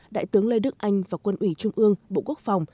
đại tướng lê đức anh và quân ủy trung ương bộ quốc phòng